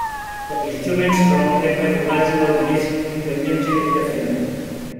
The Instrument Soundtrack by Fugazi was released in conjunction with the film.